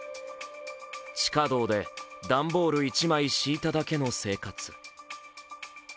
地下道で段ボール１枚敷いただけの生活。